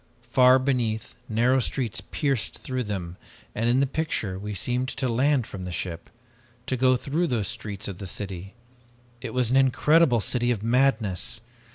Far beneath narrow streets pierced through them and in the picture we seemed to land from the ship, to go through those streets of the city. It was an incredible city of madness!